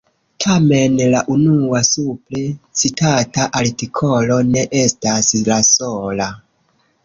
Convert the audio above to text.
Tamen la unua supre citata artikolo ne estas la sola.